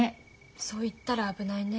そう言ったら危ないね。